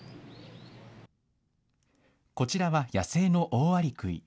こちらは野生のオオアリクイ。